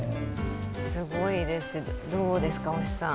すごいです、どうですか、星さん。